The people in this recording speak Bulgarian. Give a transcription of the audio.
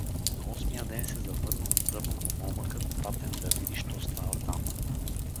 На осмия ден се завърна от Търново момъкът, пратен да види що става там.